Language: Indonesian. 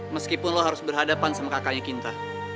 meskipun lo harus berhadapan sama kakaknya kita